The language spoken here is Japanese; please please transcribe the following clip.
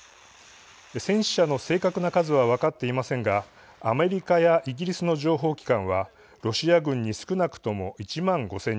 戦死者の正確な数は分かっていませんがアメリカやイギリスの情報機関はロシア軍に少なくとも１万５０００人。